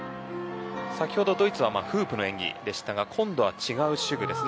先ほど、ドイツはフープの演技でしたが今度は違う手具です。